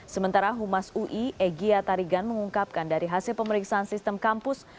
sementara humas ui egya tarigan mengungkapkan dari hasil pemeriksaan sistem kampus